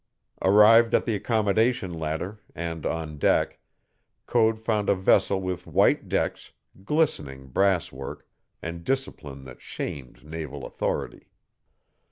Arrived at the accommodation ladder, and on deck, Code found a vessel with white decks, glistening brass work, and discipline that shamed naval authority.